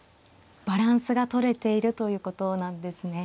バランスがとれているということなんですね。